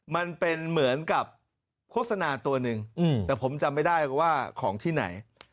มันเป็นเหมือนกับโฆษณาตัวหนึ่งแต่ผมจำไม่ได้ว่าของที่ไหน